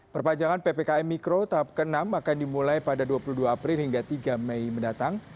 perpanjangan ppkm mikro tahap ke enam akan dimulai pada dua puluh dua april hingga tiga mei mendatang